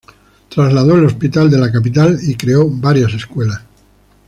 Trasladó el hospital de la Capital y creó varias escuelas.